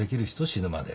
死ぬまで。